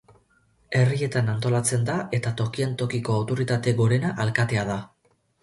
Herrietan antolatzen da eta tokian tokiko autoritate gorena alkatea da.